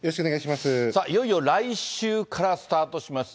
いよいよ来週からスタートします